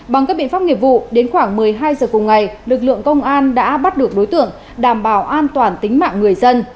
bằng các biện pháp nghiệp vụ đến khoảng một mươi hai giờ cùng ngày lực lượng công an đã bắt được đối tượng đảm bảo an toàn tính mạng người dân